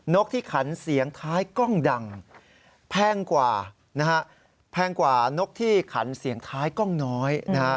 นกที่ขันเสียงท้ายกล้องดังแพงกว่านกที่ขันเสียงท้ายกล้องน้อย